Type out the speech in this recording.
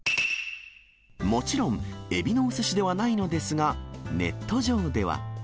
もちろん、エビのおすしではないのですが、ネット上では。